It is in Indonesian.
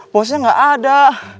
bosnya gak ada